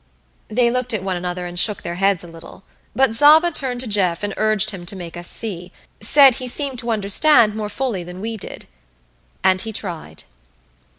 They looked at one another and shook their heads a little, but Zava turned to Jeff and urged him to make us see said he seemed to understand more fully than we did. And he tried.